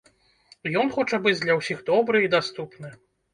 Ён хоча быць для ўсіх добры і даступны.